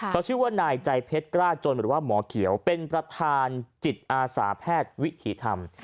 เขาชื่อว่านายใจเพชรกล้าจนหรือว่าหมอเขียวเป็นประธานจิตอาสาแพทย์วิถีธรรม